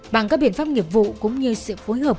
bằng các biện pháp nghiệp vụ cũng như sự phối hợp